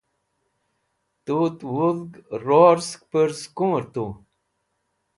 tut wudg ror sek purz kumr tu?